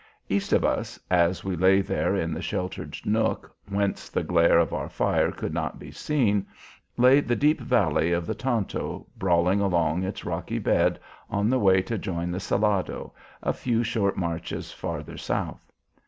East of us, as we lay there in the sheltered nook whence the glare of our fire could not be seen, lay the deep valley of the Tonto brawling along its rocky bed on the way to join the Salado, a few short marches farther south.